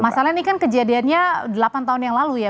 masalahnya ini kan kejadiannya delapan tahun yang lalu ya